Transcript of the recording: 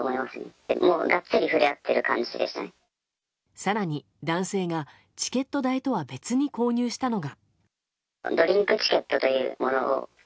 更に、男性がチケット代とは別に購入したのが。